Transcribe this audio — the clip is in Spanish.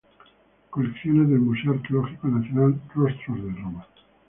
Colecciones del Museo Arqueológico Nacional", "Rostros de Roma.